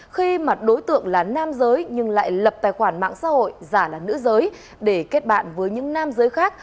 khi mà đối tượng là nam giới nhưng lại lập tài khoản mạng xã hội giả là nữ giới để kết bạn với những nam giới khác